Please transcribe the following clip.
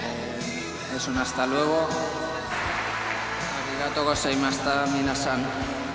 ありがとうございました、皆さん。